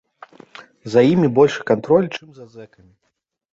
За імі большы кантроль, чым за зэкамі.